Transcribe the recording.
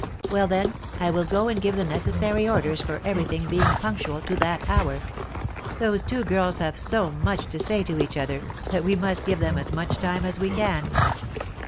Well, then, I will go and give the necessary orders for everything being punctual to that hour. Those two girls have so much to say to each other that we must give them as much time as we can."